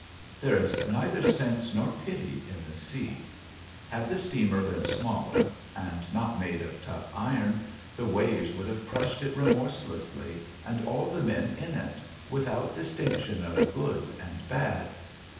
There is neither sense nor pity in the sea. Had the steamer been smaller, and not made of tough iron, the waves would have crushed it remorselessly and all the men in it, without distinction of good and bad.